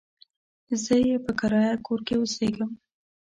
زه يې په کرايه کور کې اوسېږم.